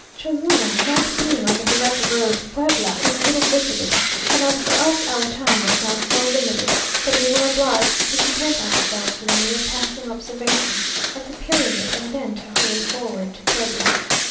Cholula, not being on the direct road to Puebla, is little visited, and as for us our time was now so limited, that we were obliged to content ourselves with a mere passing observation of the pyramid, and then to hurry forward to Puebla.